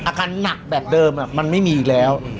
อาการหนักแบบเดิมมันไม่มีอีกแล้ว